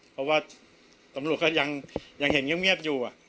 เพราะว่าตำรวจก็ยังเห็นเงียบอยู่